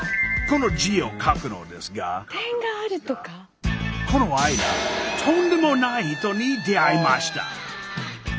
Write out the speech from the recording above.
この字を書くのですがこの間とんでもない人に出会いました。